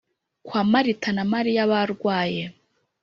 kwa Marita na Mariya barwaye